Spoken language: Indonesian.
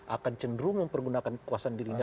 akan cenderung mempergunakan kekuasaan dirinya